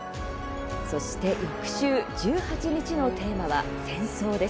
そして翌週１８日のテーマは戦争。